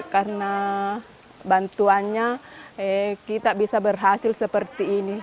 karena bantuannya kita bisa berhasil seperti ini